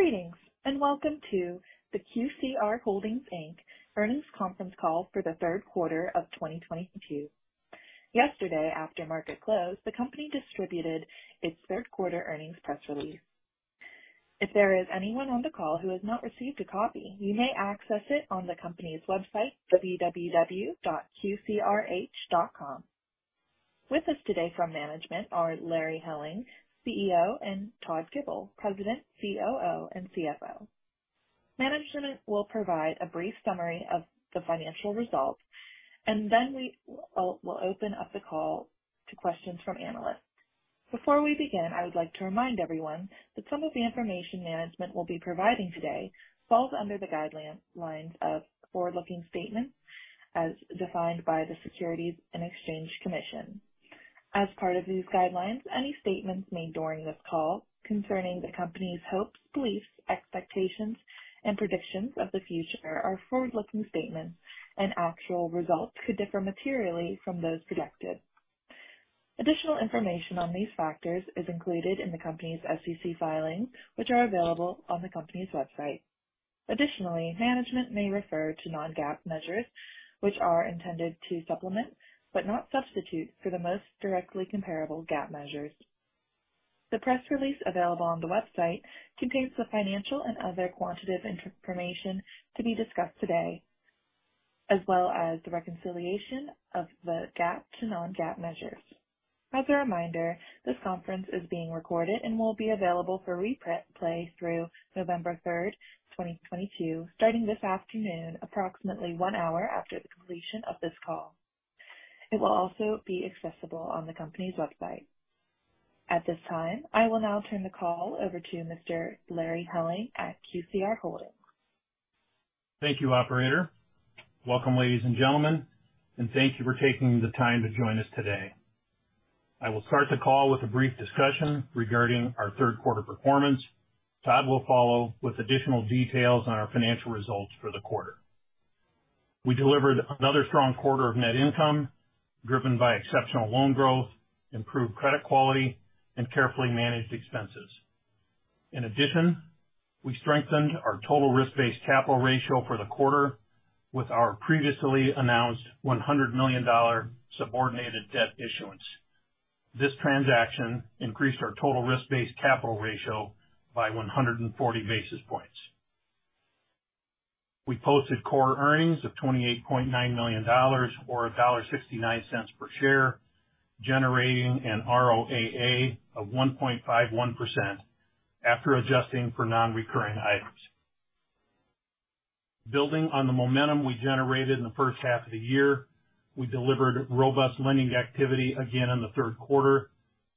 Greetings, and welcome to the QCR Holdings, Inc. earnings conference call for the third quarter of 2022. Yesterday, after market close, the company distributed its third quarter earnings press release. If there is anyone on the call who has not received a copy, you may access it on the company's website, www.qcrh.com. With us today from management are Larry J. Helling, CEO, and Todd Gipple, President, COO, and CFO. Management will provide a brief summary of the financial results, and then we will open up the call to questions from analysts. Before we begin, I would like to remind everyone that some of the information management will be providing today falls under the guidelines of forward-looking statements as defined by the Securities and Exchange Commission. As part of these guidelines, any statements made during this call concerning the company's hopes, beliefs, expectations, and predictions of the future are forward-looking statements, and actual results could differ materially from those predicted. Additional information on these factors is included in the company's SEC filings, which are available on the company's website. Additionally, management may refer to non-GAAP measures, which are intended to supplement, but not substitute, for the most directly comparable GAAP measures. The press release available on the website contains the financial and other quantitative information to be discussed today, as well as the reconciliation of the GAAP to non-GAAP measures. As a reminder, this conference is being recorded and will be available for replay through November third, 2022, starting this afternoon, approximately one hour after the completion of this call. It will also be accessible on the company's website. At this time, I will now turn the call over to Mr. Larry Helling at QCR Holdings. Thank you, operator. Welcome, ladies and gentlemen, and thank you for taking the time to join us today. I will start the call with a brief discussion regarding our third quarter performance. Todd will follow with additional details on our financial results for the quarter. We delivered another strong quarter of net income driven by exceptional loan growth, improved credit quality, and carefully managed expenses. In addition, we strengthened our total risk-based capital ratio for the quarter with our previously announced $100 million subordinated debt issuance. This transaction increased our total risk-based capital ratio by 140 basis points. We posted quarter earnings of $28.9 million or $1.69 per share, generating an ROAA of 1.51% after adjusting for non-recurring items. Building on the momentum we generated in the first half of the year, we delivered robust lending activity again in the third quarter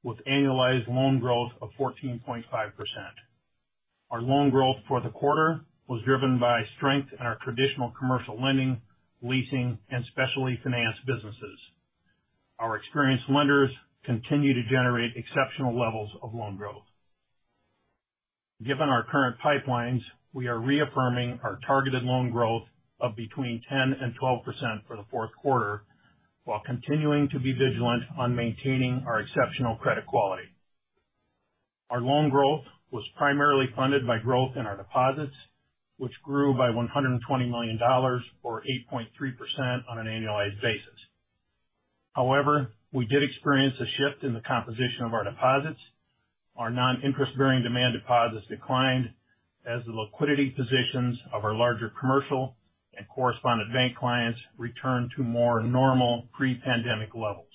with annualized loan growth of 14.5%. Our loan growth for the quarter was driven by strength in our traditional commercial lending, leasing, and specialty finance businesses. Our experienced lenders continue to generate exceptional levels of loan growth. Given our current pipelines, we are reaffirming our targeted loan growth of between 10% and 12% for the fourth quarter while continuing to be vigilant on maintaining our exceptional credit quality. Our loan growth was primarily funded by growth in our deposits, which grew by $120 million or 8.3% on an annualized basis. However, we did experience a shift in the composition of our deposits. Our non-interest bearing demand deposits declined as the liquidity positions of our larger commercial and correspondent bank clients returned to more normal pre-pandemic levels.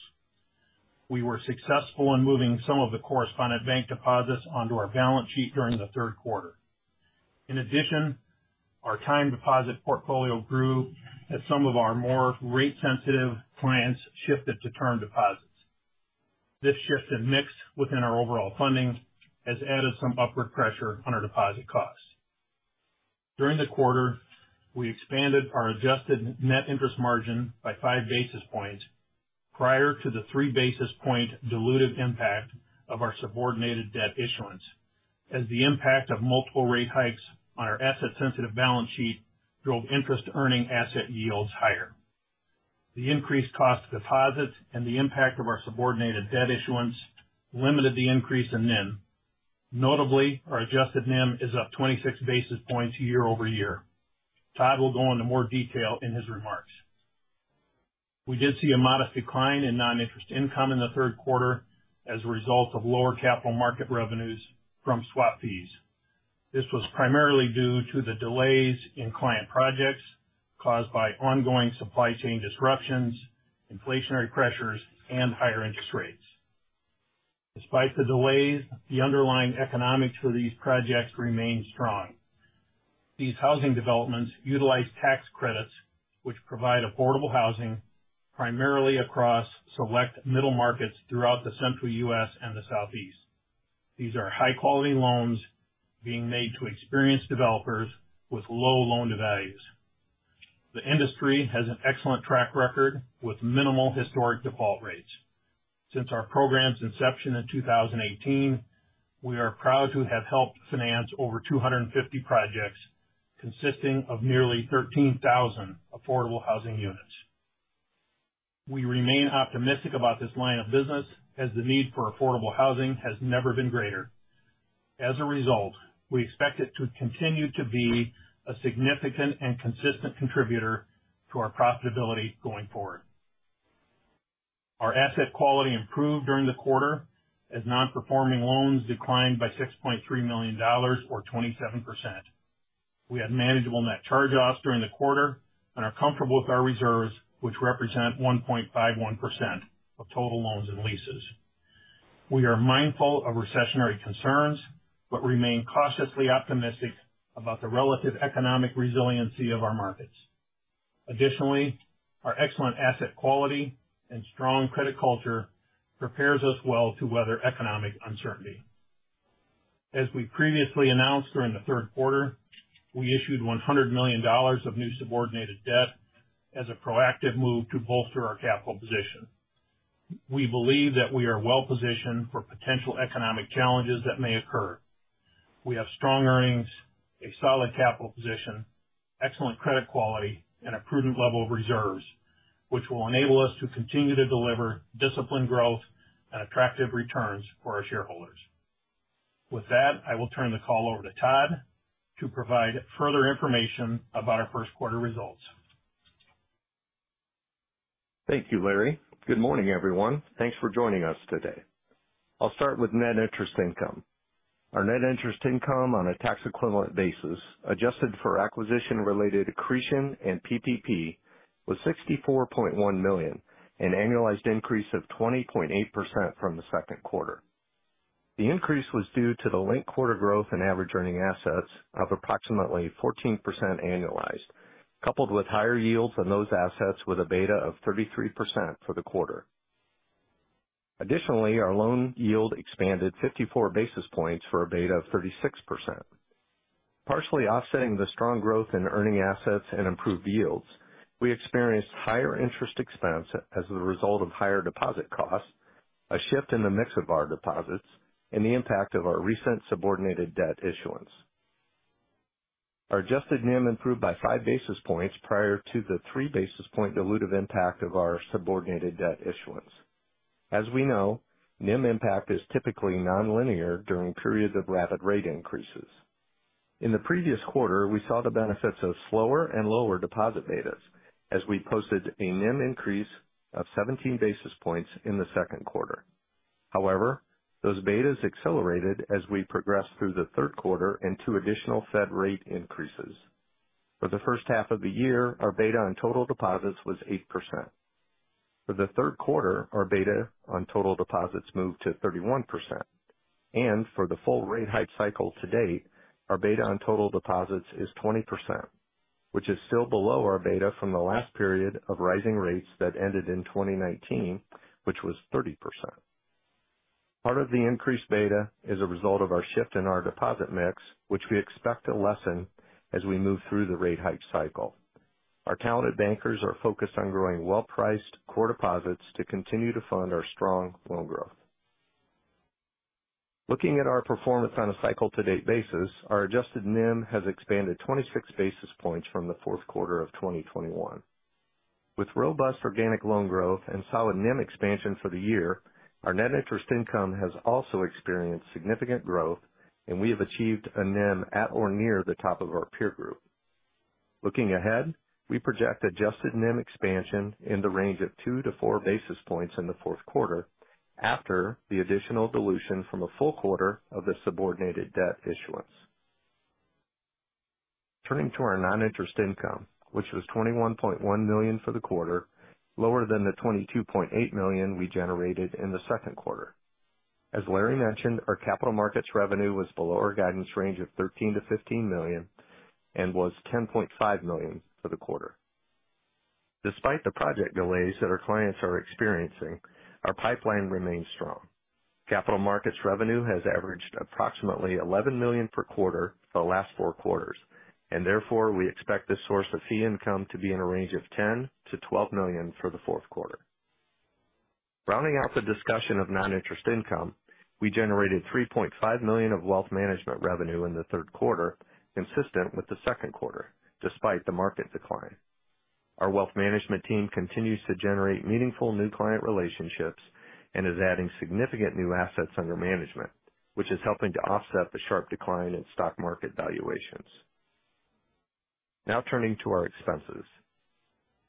We were successful in moving some of the correspondent bank deposits onto our balance sheet during the third quarter. In addition, our time deposit portfolio grew as some of our more rate sensitive clients shifted to term deposits. This shift in mix within our overall funding has added some upward pressure on our deposit costs. During the quarter, we expanded our adjusted net interest margin by 5 basis points prior to the 3 basis point dilutive impact of our subordinated debt issuance as the impact of multiple rate hikes on our asset sensitive balance sheet drove interest earning asset yields higher. The increased cost of deposits and the impact of our subordinated debt issuance limited the increase in NIM. Notably, our adjusted NIM is up 26 basis points year-over-year. Todd will go into more detail in his remarks. We did see a modest decline in non-interest income in the third quarter as a result of lower capital market revenues from swap fees. This was primarily due to the delays in client projects caused by ongoing supply chain disruptions, inflationary pressures, and higher interest rates. Despite the delays, the underlying economics for these projects remain strong. These housing developments utilize tax credits which provide affordable housing primarily across select middle markets throughout the Central U.S. and the Southeast. These are high quality loans being made to experienced developers with low loan-to-values. The industry has an excellent track record with minimal historic default rates. Since our program's inception in 2018, we are proud to have helped finance over 250 projects consisting of nearly 13,000 affordable housing units. We remain optimistic about this line of business as the need for affordable housing has never been greater. As a result, we expect it to continue to be a significant and consistent contributor to our profitability going forward. Our asset quality improved during the quarter as non-performing loans declined by $60.3 million or 27%. We had manageable net charge-offs during the quarter and are comfortable with our reserves, which represent 1.51% of total loans and leases. We are mindful of recessionary concerns, but remain cautiously optimistic about the relative economic resiliency of our markets. Additionally, our excellent asset quality and strong credit culture prepares us well to weather economic uncertainty. As we previously announced during the third quarter, we issued $100 million of new subordinated debt as a proactive move to bolster our capital position. We believe that we are well-positioned for potential economic challenges that may occur. We have strong earnings, a solid capital position, excellent credit quality, and a prudent level of reserves, which will enable us to continue to deliver disciplined growth and attractive returns for our shareholders. With that, I will turn the call over to Todd to provide further information about our first quarter results. Thank you, Larry. Good morning, everyone. Thanks for joining us today. I'll start with net interest income. Our net interest income on a tax equivalent basis, adjusted for acquisition related accretion and PPP, was $64.1 million, an annualized increase of 20.8% from the second quarter. The increase was due to the linked quarter growth in average earning assets of approximately 14% annualized, coupled with higher yields on those assets with a beta of 33% for the quarter. Additionally, our loan yield expanded 54 basis points for a beta of 36%. Partially offsetting the strong growth in earning assets and improved yields, we experienced higher interest expense as a result of higher deposit costs, a shift in the mix of our deposits, and the impact of our recent subordinated debt issuance. Our adjusted NIM improved by 5 basis points prior to the 3 basis point dilutive impact of our subordinated debt issuance. As we know, NIM impact is typically nonlinear during periods of rapid rate increases. In the previous quarter, we saw the benefits of slower and lower deposit betas as we posted a NIM increase of 17 basis points in the second quarter. However, those betas accelerated as we progressed through the third quarter and two additional Fed rate increases. For the first half of the year, our beta on total deposits was 8%. For the third quarter, our beta on total deposits moved to 31%. For the full rate hike cycle to date, our beta on total deposits is 20%, which is still below our beta from the last period of rising rates that ended in 2019, which was 30%. Part of the increased beta is a result of our shift in our deposit mix, which we expect to lessen as we move through the rate hike cycle. Our talented bankers are focused on growing well-priced core deposits to continue to fund our strong loan growth. Looking at our performance on a cycle to date basis, our adjusted NIM has expanded 26 basis points from the fourth quarter of 2021. With robust organic loan growth and solid NIM expansion for the year, our net interest income has also experienced significant growth and we have achieved a NIM at or near the top of our peer group. Looking ahead, we project adjusted NIM expansion in the range of 2-4 basis points in the fourth quarter after the additional dilution from a full quarter of the subordinated debt issuance. Turning to our non-interest income, which was $21.1 million for the quarter, lower than the $22.8 million we generated in the second quarter. As Larry mentioned, our capital markets revenue was below our guidance range of $13 million-$15 million and was $10.5 million for the quarter. Despite the project delays that our clients are experiencing, our pipeline remains strong. Capital markets revenue has averaged approximately $11 million per quarter for the last four quarters, and therefore we expect this source of fee income to be in a range of $10 million-$12 million for the fourth quarter. Rounding out the discussion of non-interest income, we generated $3.5 million of wealth management revenue in the third quarter, consistent with the second quarter, despite the market decline. Our wealth management team continues to generate meaningful new client relationships and is adding significant new assets under management, which is helping to offset the sharp decline in stock market valuations. Now turning to our expenses.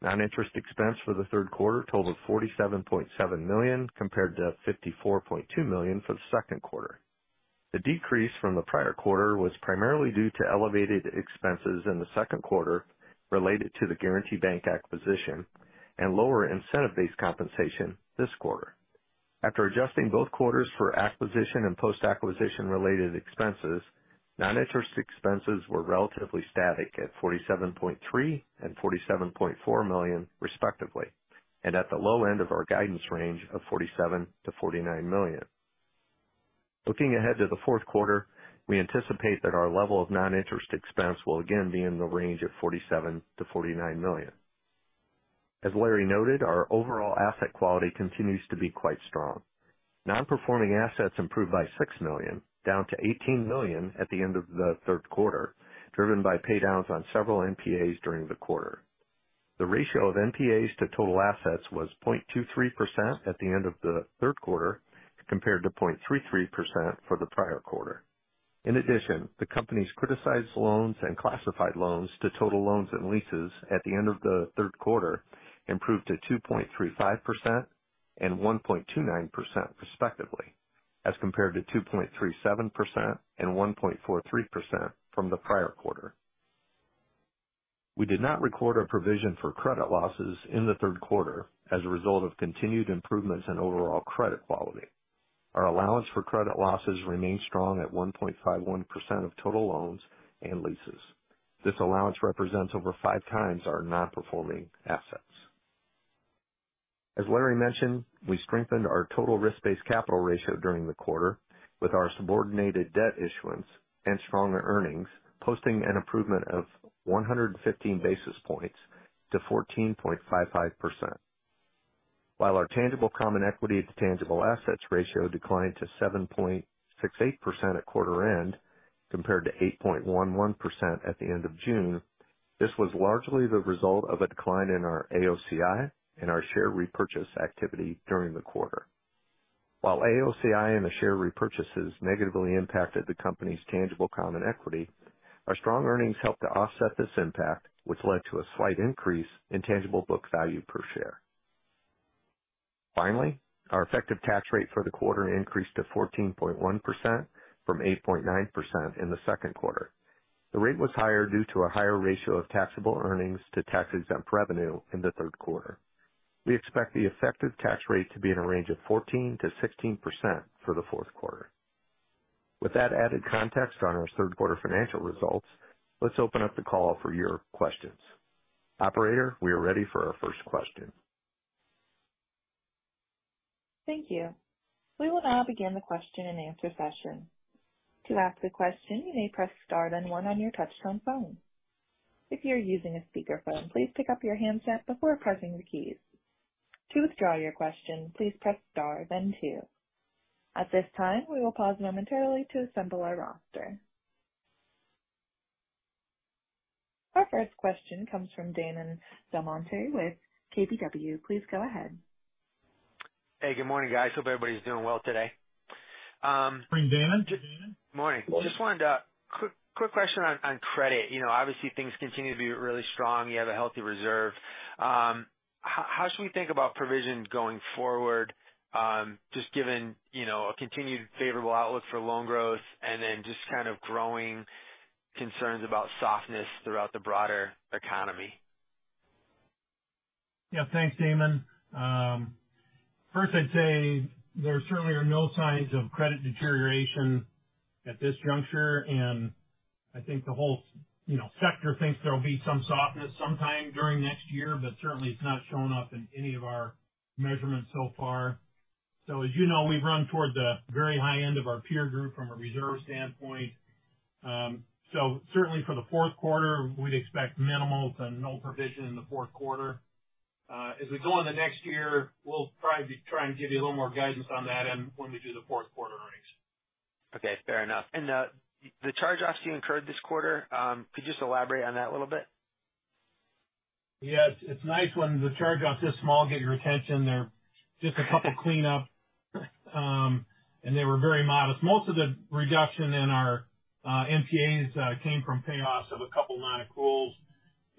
Non-interest expense for the third quarter totaled $47.7 million, compared to $54.2 million for the second quarter. The decrease from the prior quarter was primarily due to elevated expenses in the second quarter related to the Guaranty Bank acquisition and lower incentive-based compensation this quarter. After adjusting both quarters for acquisition and post-acquisition related expenses, non-interest expenses were relatively static at $47.3 million and $47.4 million, respectively, and at the low end of our guidance range of $47 million-$49 million. Looking ahead to the fourth quarter, we anticipate that our level of non-interest expense will again be in the range of $47million-$49 million. As Larry noted, our overall asset quality continues to be quite strong. Nonperforming assets improved by $6 million, down to $18 million at the end of the third quarter, driven by pay downs on several NPAs during the quarter. The ratio of NPAs to total assets was 0.23% at the end of the third quarter, compared to 0.33% for the prior quarter. In addition, the company's criticized loans and classified loans to total loans and leases at the end of the third quarter improved to 2.35% and 1.29% respectively, as compared to 2.37% and 1.43% from the prior quarter. We did not record a provision for credit losses in the third quarter as a result of continued improvements in overall credit quality. Our allowance for credit losses remained strong at 1.51% of total loans and leases. This allowance represent over 5x our non-performing assets. As Larry mentioned, we strengthened our total risk-based capital ratio during the quarter with our subordinated debt issuance and stronger earnings, posting an improvement of 115 basis points to 14.55%. While our tangible common equity to tangible assets ratio declined to 7.68% at quarter end compared to 8.11% at the end of June, this was largely the result of a decline in our AOCI and our share repurchase activity during the quarter. While AOCI and the share repurchases negatively impacted the company's tangible common equity, our strong earnings helped to offset this impact, which led to a slight increase in tangible book value per share. Finally, our effective tax rate for the quarter increased to 14.1% from 8.9% in the second quarter. The rate was higher due to a higher ratio of taxable earnings to tax-exempt revenue in the third quarter. We expect the effective tax rate to be in a range of 14%-16% for the fourth quarter. With that added context on our third quarter financial results, let's open up the call for your questions. Operator, we are ready for our first question. Thank you. We will now begin the question-and-answer session. To ask a question, you may press star then one on your touchtone phone. If you're using a speakerphone, please pick up your handset before pressing the keys. To withdraw your question, please press star then two. At this time, we will pause momentarily to assemble our roster. Our first question comes from Damon DelMonte with KBW. Please go ahead. Hey, good morning, guys. Hope everybody's doing well today. Morning, Damon. Morning. Just wanted quick question on credit. You know, obviously things continue to be really strong. You have a healthy reserve. How should we think about provisions going forward, just given, you know, a continued favorable outlook for loan growth and then just kind of growing concerns about softness throughout the broader economy? Yeah. Thanks, Damon. First I'd say there certainly are no signs of credit deterioration at this juncture. I think the whole, you know, sector thinks there'll be some softness sometime during next year, but certainly it's not shown up in any of our measurements so far. As you know, we run toward the very high end of our peer group from a reserve standpoint. Certainly for the fourth quarter, we'd expect minimal to no provision in the fourth quarter. As we go into next year, we'll probably be trying to give you a little more guidance on that and when we do the fourth quarter earnings. Okay, fair enough. The charge-offs you incurred this quarter, could you just elaborate on that a little bit? Yes. It's nice when the charge-off this small get your attention. They're just a couple cleanup, and they were very modest. Most of the reduction in our NPAs came from payoffs of a couple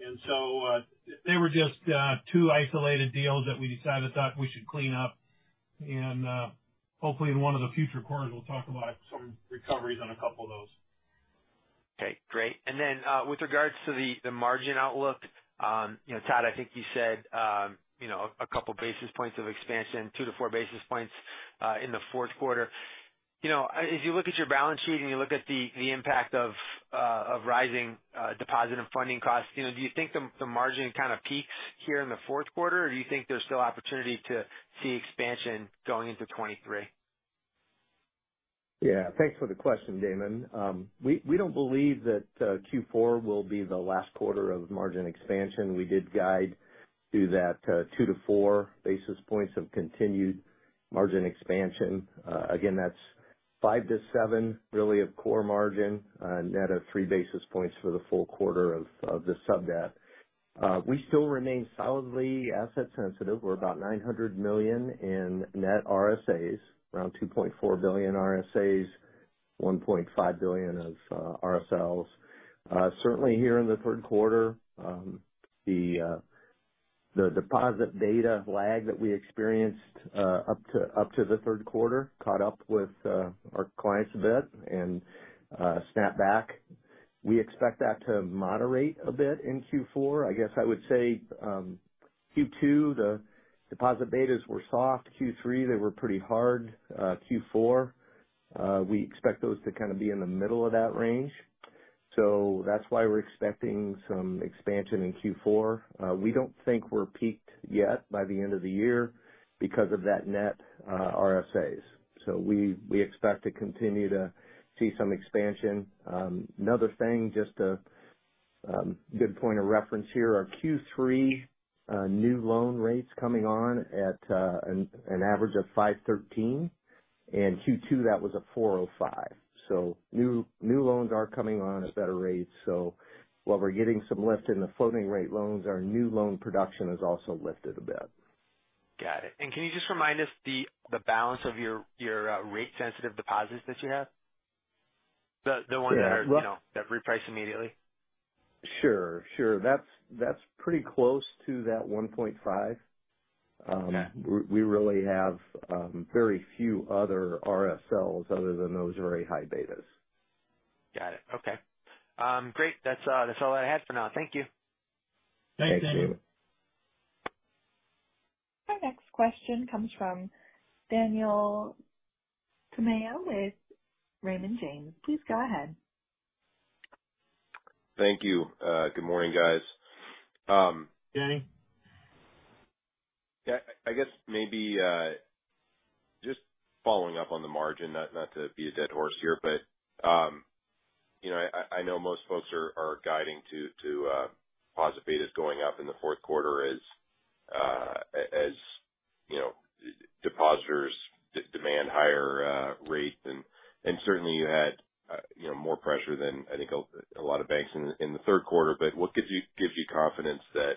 nonaccruals. They were just two isolated deals that we decided that we should clean up. Hopefully in one of the future quarters, we'll talk about some recoveries on a couple of those. Okay, great. With regards to the margin outlook, you know, Todd, I think you said, you know, a couple basis points of expansion, 2-4 basis points, in the fourth quarter. You know, as you look at your balance sheet and you look at the impact of rising deposit and funding costs, you know, do you think the margin kind of peaks here in the fourth quarter? Or do you think there's still opportunity to see expansion going into 2023? Yeah. Thanks for the question, Damon. We don't believe that Q4 will be the last quarter of margin expansion. We did guide to that, 2-4 basis points of continued margin expansion. Again, that's five to seven really of core margin, net of 3 basis points for the full quarter of the sub-debt. We still remain solidly asset sensitive. We're about $900 million in net RSAs, around $2.4 billion RSAs, $1.5 billion of RSLs. Certainly here in the third quarter, the deposit beta lag that we experienced up to the third quarter caught up with our clients a bit and snapback. We expect that to moderate a bit in Q4. I guess I would say Q2, the deposit betas were soft. Q3, they were pretty hard. Q4, we expect those to kind of be in the middle of that range. That's why we're expecting some expansion in Q4. We don't think we're peaked yet by the end of the year because of that net RSAs. We expect to continue to see some expansion. Another thing, just a good point of reference here. Our Q3 new loan rates coming on at an average of 5.13, and Q2, that was a 4.05. New loans are coming on at better rates. While we're getting some lift in the floating rate loans, our new loan production is also lifted a bit. Got it. Can you just remind us the balance of your rate sensitive deposits that you have? The ones that are- Yeah. You know, that reprice immediately. Sure. That's pretty close to that 1.5. Okay. We really have very few other RSLs other than those very high betas. Got it. Okay. Great. That's all I had for now. Thank you. Thanks, Damon. Our next question comes from Daniel Tamayo with Raymond James. Please go ahead. Thank you. Good morning, guys. Danny. Yeah. I guess maybe just following up on the margin, not to beat a dead horse here, but, you know, I know most folks are guiding to deposit betas going up in the fourth quarter as, you know, depositors demand higher rates. Certainly you had more pressure than I think a lot of banks in the third quarter. What gives you confidence that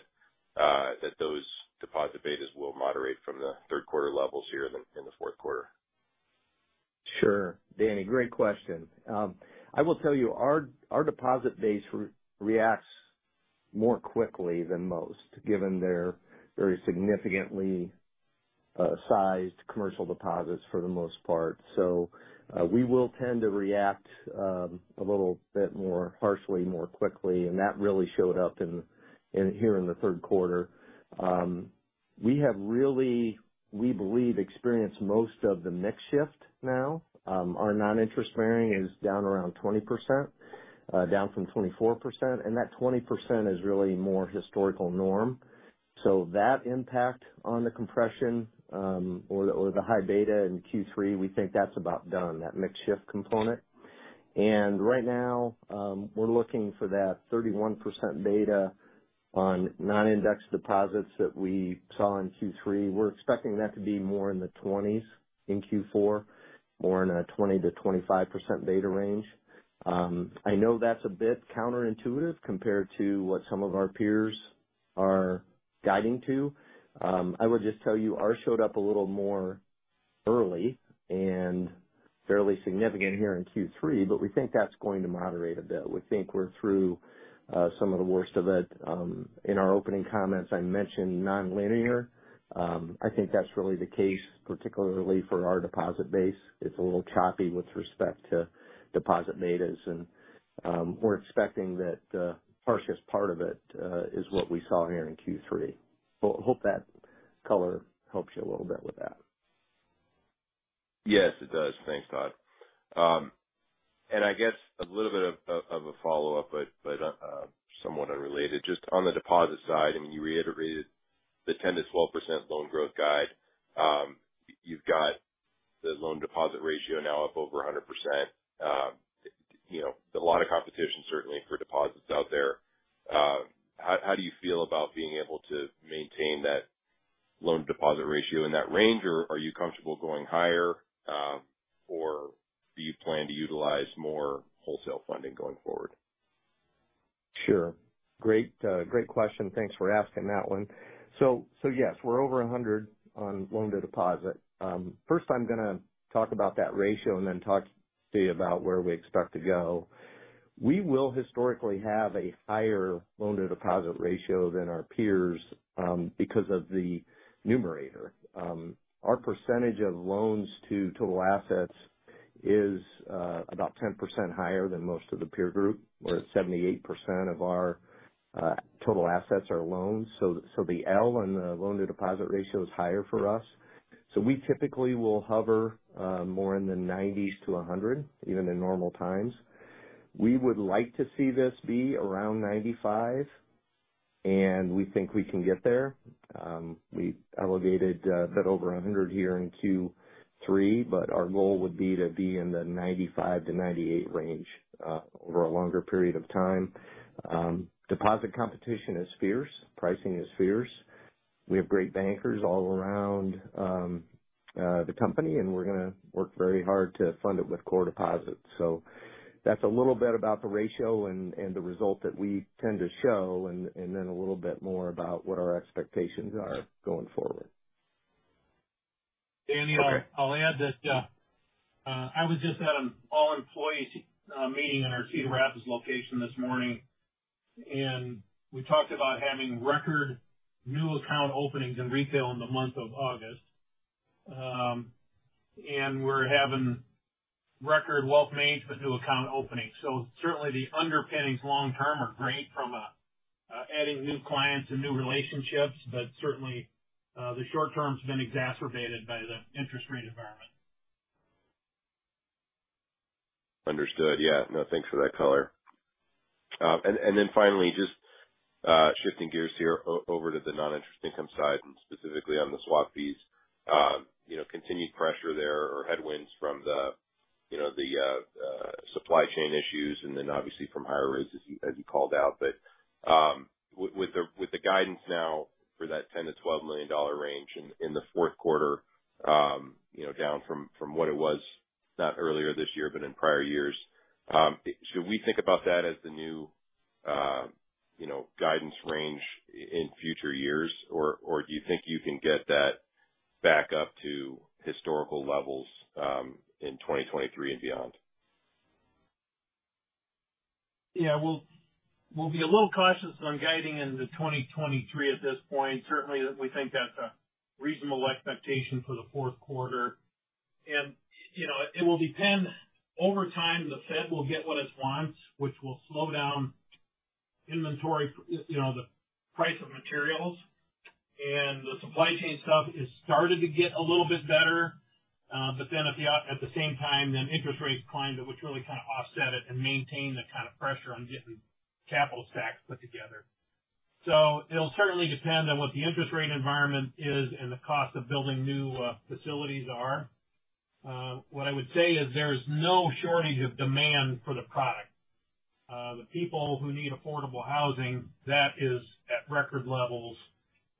those deposit betas will moderate from the third quarter levels here in the fourth quarter? Sure. Daniel, great question. I will tell you, our deposit base reacts more quickly than most, given their very significantly sized commercial deposits for the most part. We will tend to react a little bit more harshly, more quickly, and that really showed up in the third quarter. We have really, we believe, experienced most of the mix shift now. Our non-interest bearing is down around 20%, down from 24%, and that 20% is really more historical norm. That impact on the compression, or the high beta in Q3, we think that's about done, that mix shift component. Right now, we're looking for that 31% beta on non-indexed deposits that we saw in Q3. We're expecting that to be more in the 20s in Q4, more in a 20%-25% beta range. I know that's a bit counterintuitive compared to what some of our peers are guiding to. I would just tell you, ours showed up a little more early and fairly significant here in Q3, but we think that's going to moderate a bit. We think we're through some of the worst of it. In our opening comments, I mentioned nonlinear. I think that's really the case, particularly for our deposit base. It's a little choppy with respect to deposit betas. We're expecting that the harshest part of it is what we saw here in Q3. Hope that color helps you a little bit with that. Yes, it does. Thanks, Todd. I guess a little bit of a follow-up, but somewhat unrelated. Just on the deposit side, I mean, you reiterated the 10%-12% loan growth guide. You've got the loan deposit ratio now up over 100%. You know, a lot of competition certainly for deposits out there. How do you feel about being able to maintain that loan deposit ratio in that range? Or are you comfortable going higher, or do you plan to utilize more wholesale funding going forward? Sure. Great question. Thanks for asking that one. Yes, we're over 100 on loan-to-deposit. First I'm gonna talk about that ratio and then talk to you about where we expect to go. We will historically have a higher loan-to-deposit ratio than our peers, because of the numerator. Our percentage of loans to total assets is about 10% higher than most of the peer group, where 78% of our total assets are loans. The L in the loan-to-deposit ratio is higher for us. We typically will hover more in the 90s-100, even in normal times. We would like to see this be around 95, and we think we can get there. We elevated a bit over 100 here in Q3, but our goal would be to be in the 95-98 range over a longer period of time. Deposit competition is fierce. Pricing is fierce. We have great bankers all around the company, and we're gonna work very hard to fund it with core deposits. That's a little bit about the ratio and the result that we tend to show, and then a little bit more about what our expectations are going forward. Daniel, I'll add that I was just at an all-employee meeting in our Cedar Rapids location this morning, and we talked about having record new account openings in retail in the month of August. We're having record wealth management new account openings. Certainly the underpinnings long term are great from adding new clients and new relationships. Certainly the short term's been exacerbated by the interest rate environment. Understood. Yeah. No, thanks for that color. And then finally, shifting gears here over to the non-interest income side, and specifically on the swap fees. You know, continued pressure there or headwinds from the, you know, the supply chain issues and then obviously from higher rates as you called out. With the guidance now for that $10 million-$12 million range in the fourth quarter, you know, down from what it was, not earlier this year, but in prior years, should we think about that as the new, you know, guidance range in future years? Or do you think you can get that back up to historical levels in 2023 and beyond? Yeah, we'll be a little cautious on guiding into 2023 at this point. Certainly, we think that's a reasonable expectation for the fourth quarter. You know, it will depend. Over time, the Fed will get what it wants, which will slow down inventory, you know, the price of materials. The supply chain stuff has started to get a little bit better. But at the same time, interest rates climbed, which really kind of offset it and maintain the kind of pressure on getting capital stacks put together. It'll certainly depend on what the interest rate environment is and the cost of building new facilities are. What I would say is there is no shortage of demand for the product. The people who need affordable housing, that is at record levels.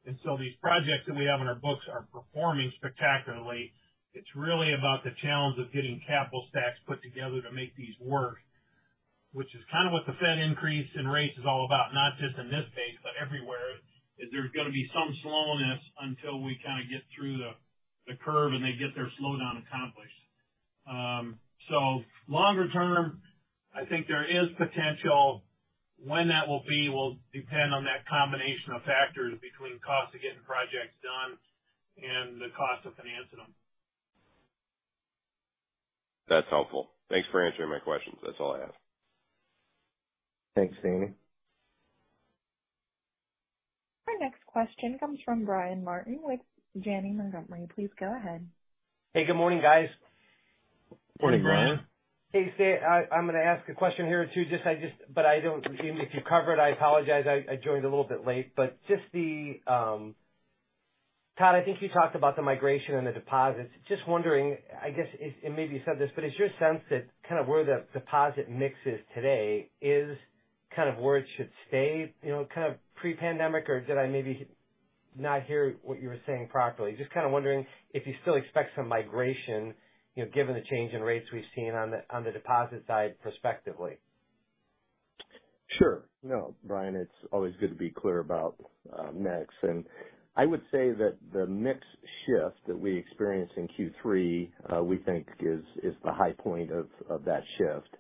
These projects that we have on our books are performing spectacularly. It's really about the challenge of getting capital stacks put together to make these work, which is kind of what the Fed increase in rates is all about, not just in this space, but everywhere, is there's gonna be some slowness until we kind of get through the curve and they get their slowdown accomplished. Longer term, I think there is potential. When that will be will depend on that combination of factors between cost of getting projects done and the cost of financing them. That's helpful. Thanks for answering my questions. That's all I have. Thanks, Daniel. Our next question comes from Brian Martin with Janney Montgomery Scott. Please go ahead. Hey, good morning, guys. Morning, Brian. Hey, Todd. I'm gonna ask a question here or two. I don't seem to be covered. I apologize. I joined a little bit late. Just Todd, I think you talked about the migration and the deposits. Just wondering, I guess, and maybe you said this, but is your sense that kind of where the deposit mix is today is kind of where it should stay, you know, kind of pre-pandemic, or did I maybe not hear what you were saying properly? Just kind of wondering if you still expect some migration, you know, given the change in rates we've seen on the deposit side prospectively. Sure. No, Brian, it's always good to be clear about mix. I would say that the mix shift that we experienced in Q3 we think is the high point of that shift.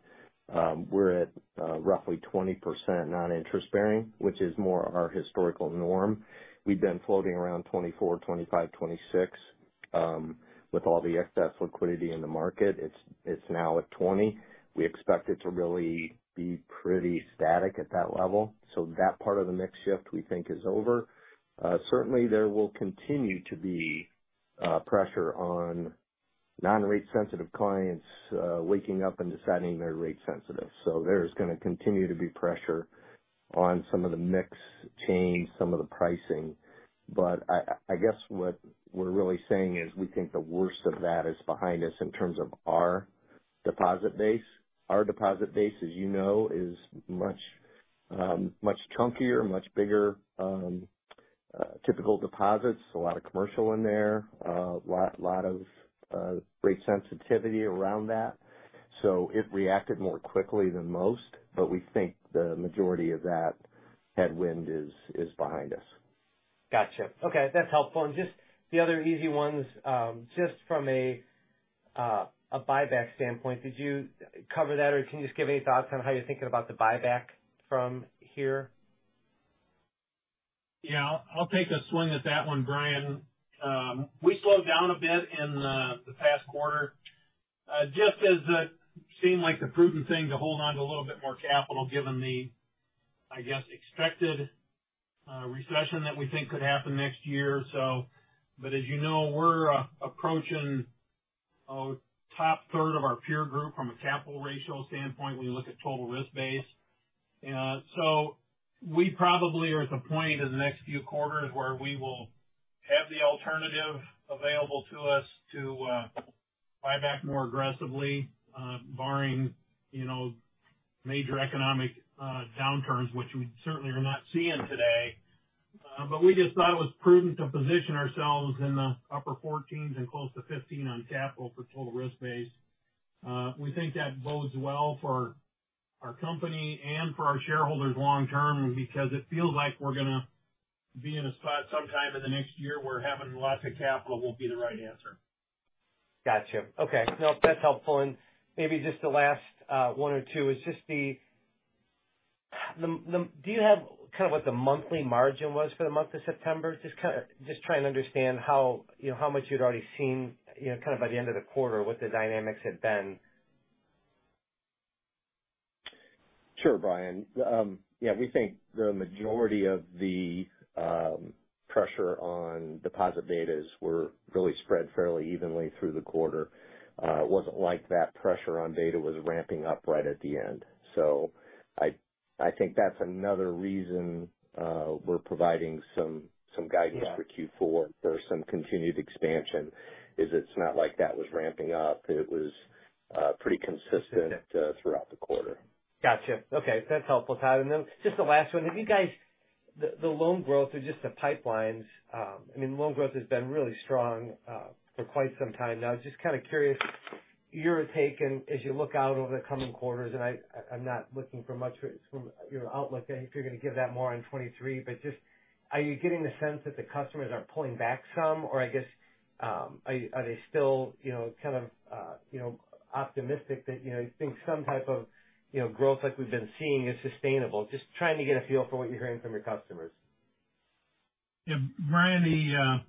We're at roughly 20% non-interest bearing, which is more our historical norm. We've been floating around 24, 25, 26 with all the excess liquidity in the market. It's now at 20. We expect it to really be pretty static at that level. That part of the mix shift we think is over. Certainly there will continue to be pressure on non-rate sensitive clients waking up and deciding they're rate sensitive. There's gonna continue to be pressure on some of the mix change, some of the pricing. I guess what we're really saying is we think the worst of that is behind us in terms of our deposit base. Our deposit base, as you know, is much chunkier, much bigger, typical deposits. A lot of commercial in there. Lot of rate sensitivity around that. It reacted more quickly than most, but we think the majority of that headwind is behind us. Gotcha. Okay, that's helpful. Just the other easy ones, just from a buyback standpoint, did you cover that or can you just give any thoughts on how you're thinking about the buyback from here? Yeah. I'll take a swing at that one, Brian. We slowed down a bit in the past quarter, just as it seemed like the prudent thing to hold onto a little bit more capital, given the, I guess, expected recession that we think could happen next year, so. As you know, we're approaching top third of our peer group from a capital ratio standpoint when you look at total risk-based. We probably are at the point in the next few quarters where we will have the alternative available to us to buy back more aggressively, barring, you know, major economic downturns, which we certainly are not seeing today. We just thought it was prudent to position ourselves in the upper 14s and close to 15% on capital for total risk-based. We think that bodes well for our company and for our shareholders long term, because it feels like we're gonna be in a spot sometime in the next year where having lots of capital won't be the right answer. Gotcha. Okay. No, that's helpful. Maybe just the last one or two. Do you have kind of what the monthly margin was for the month of September? Just trying to understand how, you know, how much you'd already seen, you know, kind of by the end of the quarter what the dynamics had been. Sure, Brian. Yeah, we think the majority of the pressure on deposit betas were really spread fairly evenly through the quarter. It wasn't like that pressure on beta was ramping up right at the end. I think that's another reason we're providing some guidance. Yeah. for Q4. There's some continued expansion. It's not like that was ramping up. It was pretty consistent. Got it. throughout the quarter. Gotcha. Okay. That's helpful, Todd. Then just the last one. Have you guys the loan growth or just the pipelines, I mean, loan growth has been really strong, for quite some time now. Just kind of curious your take and as you look out over the coming quarters, and I'm not looking for much from your outlook. I think you're gonna give that more on 2023, but just are you getting the sense that the customers are pulling back some? Or I guess, are they still, you know, kind of, you know, optimistic that, you know, you think some type of, you know, growth like we've been seeing is sustainable? Just trying to get a feel for what you're hearing from your customers. Yeah. Brian,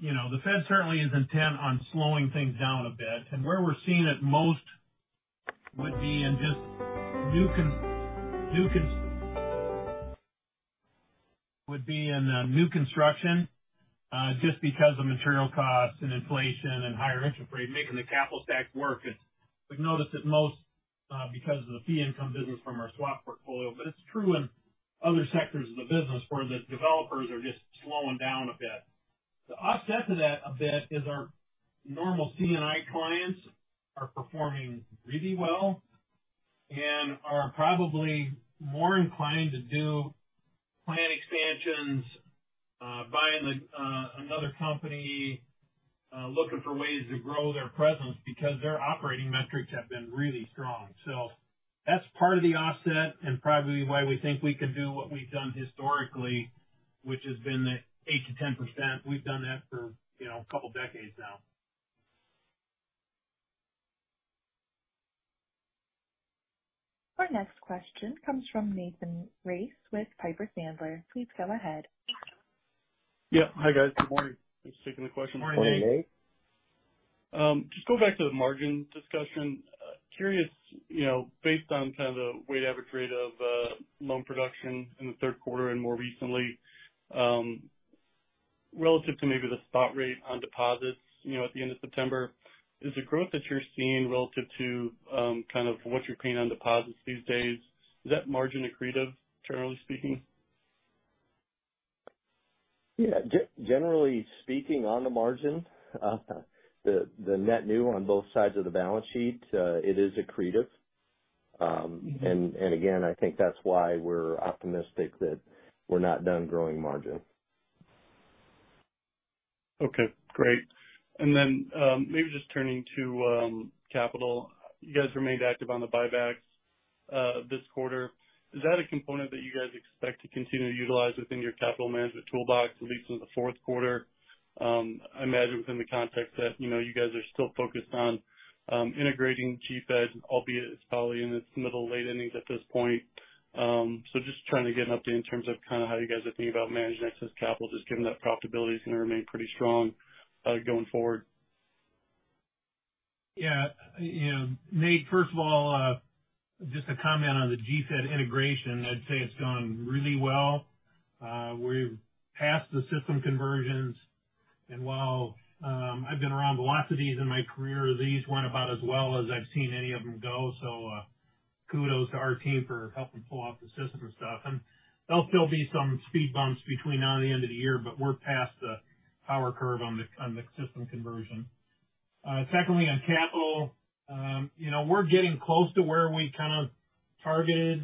you know, the Fed certainly is intent on slowing things down a bit. Where we're seeing it most would be in just new construction, just because of material costs and inflation and higher interest rates, making the capital stack work. We've noticed it most because of the fee income business from our swap portfolio. It's true in other sectors of the business where the developers are just slowing down a bit. The offset to that a bit is our normal C&I clients are performing really well and are probably more inclined to do plant expansions, buying, like, another company, looking for ways to grow their presence because their operating metrics have been really strong. That's part of the offset and probably why we think we can do what we've done historically, which has been the 8%-10%. We've done that for, you know, a couple decades now. Our next question comes from Nathan Race with Piper Sandler. Please go ahead. Yeah. Hi, guys. Good morning. Thanks for taking the questions. Good morning, Nate. Good morning, Nate. Just go back to the margin discussion. Curious, you know, based on kind of the weighted average rate of loan production in the third quarter and more recently, relative to maybe the spot rate on deposits, you know, at the end of September, is the growth that you're seeing relative to kind of what you're paying on deposits these days, is that margin accretive, generally speaking? Yeah. Generally speaking, on the margin, the net new on both sides of the balance sheet, it is accretive. Mm-hmm. Again, I think that's why we're optimistic that we're not done growing margin. Okay, great. Maybe just turning to capital. You guys remained active on the buybacks, this quarter. Is that a component that you guys expect to continue to utilize within your capital management toolbox, at least in the fourth quarter? I imagine within the context that, you know, you guys are still focused on integrating Guaranty Federal, albeit it's probably in its middle, late innings at this point. Just trying to get an update in terms of kind of how you guys are thinking about managing excess capital, just given that profitability is going to remain pretty strong, going forward. Yeah. You know, Nate, first of all, just a comment on the Guaranty Federal integration. I'd say it's gone really well. We've passed the system conversions, and while I've been around a lot of these in my career, these went about as well as I've seen any of them go. So, kudos to our team for helping pull off the system and stuff. There'll still be some speed bumps between now and the end of the year, but we're past the power curve on the system conversion. Secondly, on capital, you know, we're getting close to where we kind of targeted.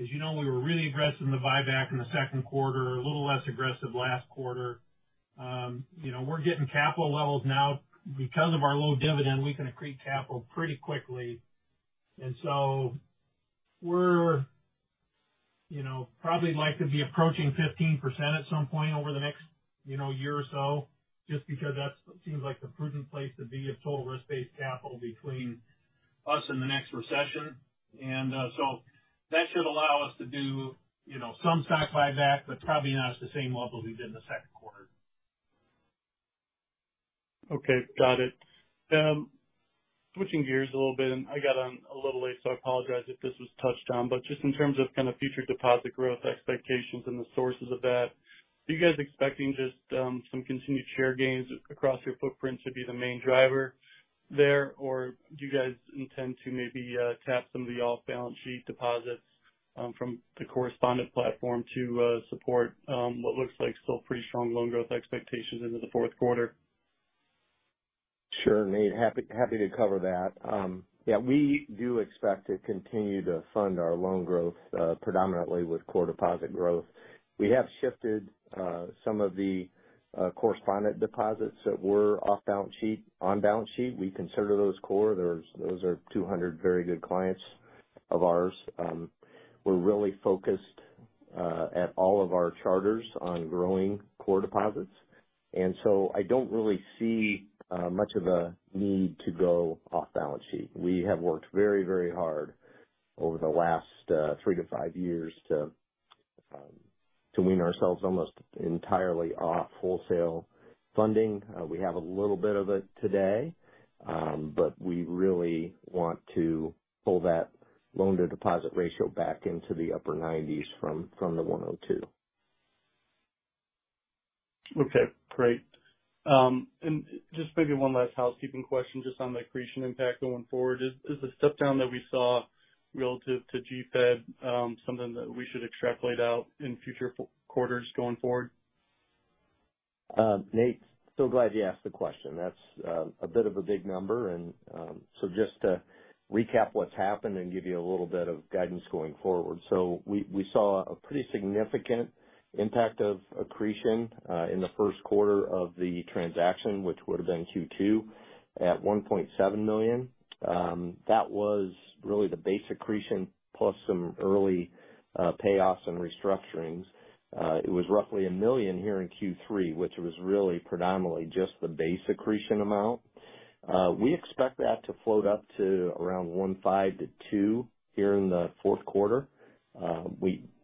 As you know, we were really aggressive in the buyback in the second quarter, a little less aggressive last quarter. You know, we're getting capital levels now. Because of our low dividend, we can accrete capital pretty quickly. We're, you know, probably likely to be approaching 15% at some point over the next, you know, year or so, just because that seems like the prudent place to be of total risk-based capital between us and the next recession. That should allow us to do, you know, some stock buyback, but probably not at the same level we did in the second quarter. Okay. Got it. Switching gears a little bit, and I got on a little late, so I apologize if this was touched on, but just in terms of kind of future deposit growth expectations and the sources of that, are you guys expecting just some continued share gains across your footprint to be the main driver there? Or do you guys intend to maybe tap some of the off-balance sheet deposits from the correspondent platform to support what looks like still pretty strong loan growth expectations into the fourth quarter? Sure, Nate. Happy to cover that. Yeah, we do expect to continue to fund our loan growth predominantly with core deposit growth. We have shifted some of the correspondent deposits that were off-balance-sheet on-balance-sheet. We consider those core. Those are 200 very good clients of ours. We're really focused at all of our charters on growing core deposits. I don't really see much of a need to go off-balance-sheet. We have worked very hard over the last three-five years to wean ourselves almost entirely off wholesale funding. We have a little bit of it today, but we really want to pull that loan-to-deposit ratio back into the upper 90s% from the 102%. Okay, great. Just maybe one last housekeeping question just on the accretion impact going forward. Is the step down that we saw relative to GFED something that we should extrapolate out in future quarters going forward? Nate, glad you asked the question. That's a bit of a big number and just to recap what's happened and give you a little bit of guidance going forward. We saw a pretty significant impact of accretion in the first quarter of the transaction, which would have been Q2 at $1.7 million. That was really the base accretion plus some early payoffs and restructurings. It was roughly $1 million here in Q3, which was really predominantly just the base accretion amount. We expect that to float up to around $1.5 million-$2 million here in the fourth quarter.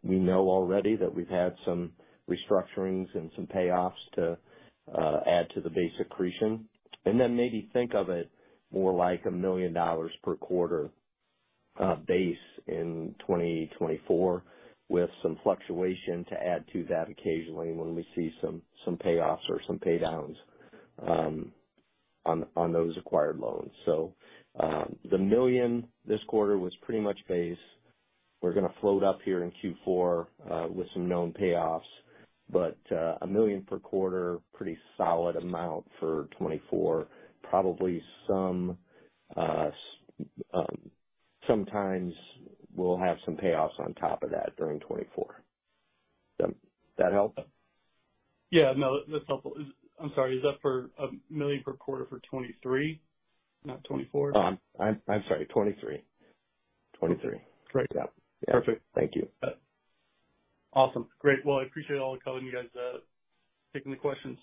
We know already that we've had some restructurings and some payoffs to add to the base accretion. Maybe think of it more like $1 million per quarter base in 2024, with some fluctuation to add to that occasionally when we see some payoffs or some pay downs on those acquired loans. The $1 million this quarter was pretty much base. We're gonna float up here in Q4 with some known payoffs, but $1 million per quarter, pretty solid amount for 2024. Probably sometimes we'll have some payoffs on top of that during 2024. Does that help? Yeah, no, that's helpful. I'm sorry, is that $1 million per quarter for 2023, not 2024? I'm sorry, 23. Great. Yeah. Perfect. Thank you. Awesome. Great. Well, I appreciate all the color and you guys taking the questions.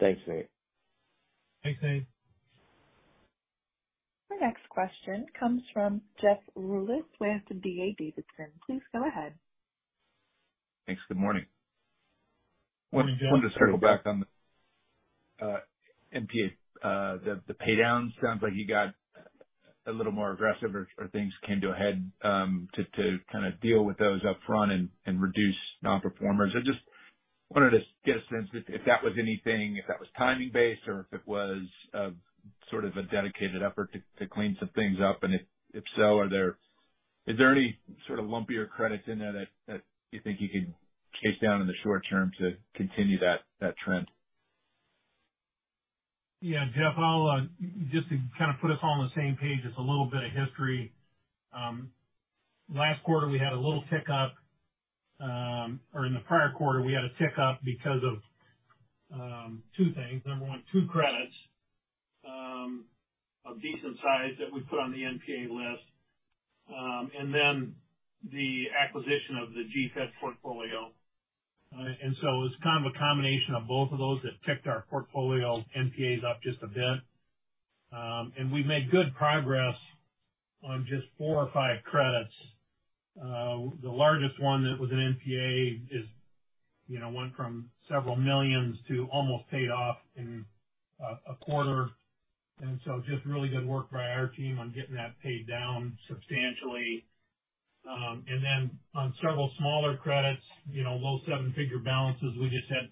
Thanks, Nate. Thanks, Nate. Our next question comes from Jeff Allen Rulis with D.A. Davidson. Please go ahead. Thanks. Good morning. Morning, Jeff. Wanted to circle back on the NPAs, the pay downs. Sounds like you got a little more aggressive or things came to a head to kind of deal with those up front and reduce nonperformers. I just wanted to get a sense if that was anything, if that was timing based or if it was sort of a dedicated effort to clean some things up. If so, is there any sort of lumpier credits in there that you think you can chase down in the short term to continue that trend? Yeah, Jeff, I'll just to kind of put us all on the same page, just a little bit of history. Last quarter, we had a little tick up, or in the prior quarter, we had a tick up because of two things. Number one, two credits of decent size that we put on the NPA list, and then the acquisition of the GFED portfolio. It was kind of a combination of both of those that ticked our portfolio NPAs up just a bit. We've made good progress on just four or five credits. The largest one that was an NPA is, you know, went from several million to almost paid off in a quarter. Just really good work by our team on getting that paid down substantially. On several smaller credits, you know, low seven-figure balances. We just had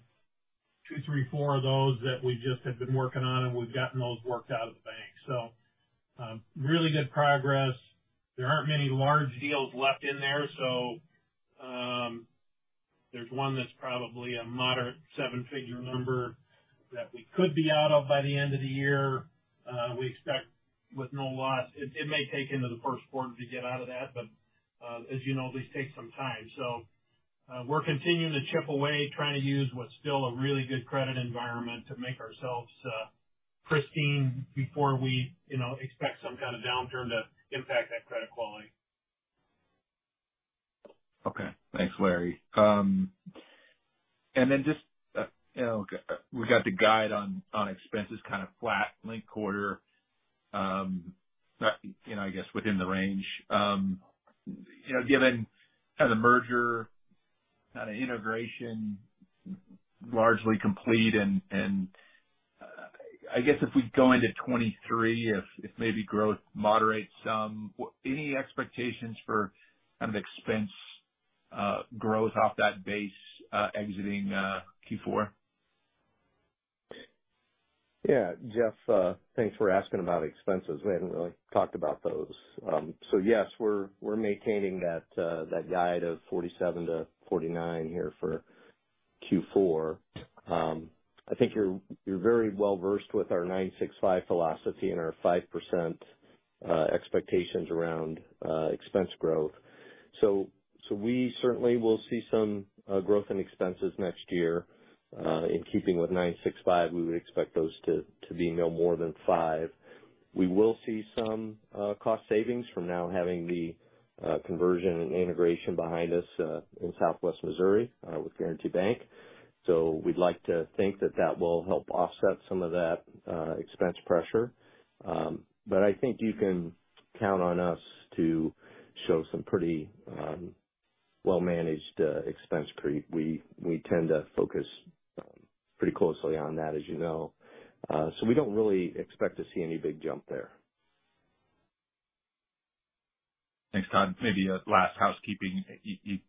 two, three, four of those that we just have been working on, and we've gotten those worked out of the bank. Really good progress. There aren't many large deals left in there, so there's one that's probably a moderate seven-figure number that we could be out of by the end of the year, we expect with no loss. It may take into the first quarter to get out of that, but as you know, these take some time. We're continuing to chip away, trying to use what's still a really good credit environment to make ourselves pristine before we, you know, expect some kind of downturn to impact that credit quality. Okay. Thanks, Larry. Just, you know, we got the guide on expenses kind of flat linked-quarter, you know, I guess within the range. You know, given kind of the merger, kind of integration largely complete and I guess if we go into 2023, if maybe growth moderates some, any expectations for kind of expense growth off that base, exiting Q4? Yeah. Jeff, thanks for asking about expenses. We hadn't really talked about those. Yes, we're maintaining that guide of $47-$49 here for Q4. I think you're very well versed with our 965 philosophy and our 5% expectations around expense growth. We certainly will see some growth in expenses next year. In keeping with 965, we would expect those to be no more than five. We will see some cost savings from now having the conversion and integration behind us in Southwest Missouri with Guaranty Bank. We'd like to think that that will help offset some of that expense pressure. I think you can count on us to show some pretty well-managed expense creep. We tend to focus pretty closely on that, as you know. We don't really expect to see any big jump there. Thanks, Todd. Maybe a last housekeeping. You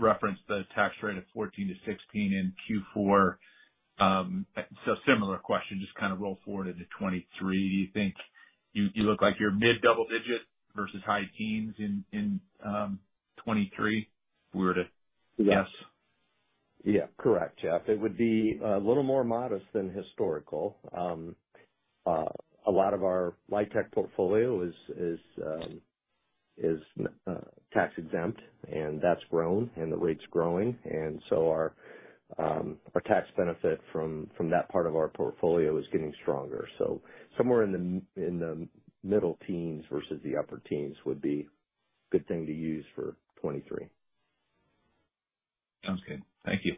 referenced the tax rate of 14%-16% in Q4. Similar question, just kind of roll forward into 2023. Do you think you look like you're mid double-digit versus high teens in 2023 if we were to guess? Yeah, correct, Jeff. It would be a little more modest than historical. A lot of our LIHTC portfolio is tax-exempt, and that's grown, and the rate's growing. Our tax benefit from that part of our portfolio is getting stronger. Somewhere in the middle teens versus the upper teens would be good thing to use for 2023. Sounds good. Thank you.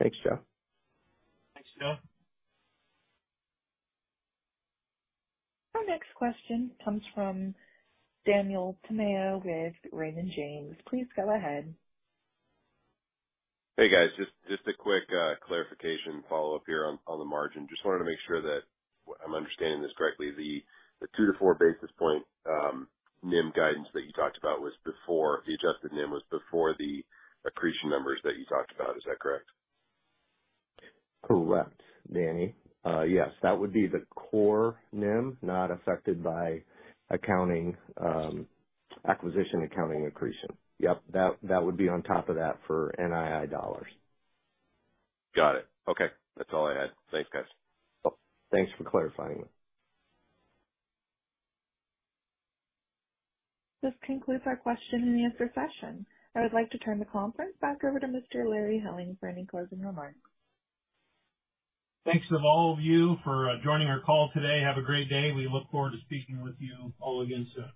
Thanks, Jeff. Thanks, Jeff. Our next question comes from Daniel Tamayo with Raymond James. Please go ahead. Hey, guys, just a quick clarification follow-up here on the margin. Just wanted to make sure that I'm understanding this correctly. The 2-4 basis point NIM guidance that you talked about was before the adjusted NIM was before the accretion numbers that you talked about. Is that correct? Correct, Daniel. Yes, that would be the core NIM not affected by accounting, acquisition accounting accretion. Yep, that would be on top of that for NII dollars. Got it. Okay. That's all I had. Thanks, guys. Thanks for clarifying that. This concludes our question and answer session. I would like to turn the conference back over to Mr. Larry J. Helling for any closing remarks. Thanks to all of you for joining our call today. Have a great day. We look forward to speaking with you all again soon.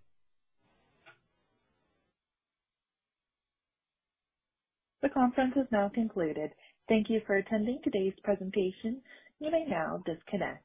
The conference has now concluded. Thank you for attending today's presentation. You may now disconnect.